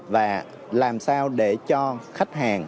và làm sao để cho khách hàng